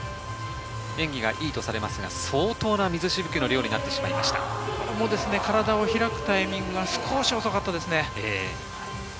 演技がいいとされますが、相当な水しぶきの量となってしまいまし体を開くタイミングは少し遅かったですね。